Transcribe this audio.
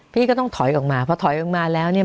พี่ก็ต้องถอยออกมาพอถอยออกมาแล้วเนี่ย